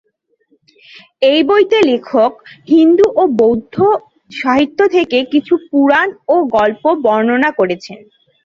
এই বইতে লেখক হিন্দু ও বৌদ্ধ সাহিত্য থেকে কিছু পুরাণ ও গল্প বর্ণনা করেছেন।